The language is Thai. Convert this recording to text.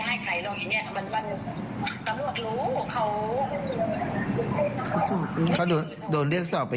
ให้ไขลงอย่างเงี้ยมันมันต้องรู้ว่าเขาเขาโดนโดนเรียกสอบไป